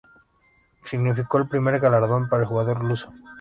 Significó el primer galardón para el jugador luso.